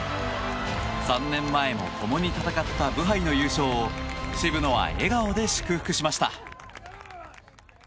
３年前も共に戦ったブハイの優勝を渋野は笑顔で祝福しました。